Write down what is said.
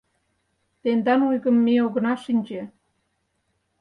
Тендан ойгым ме огына шинче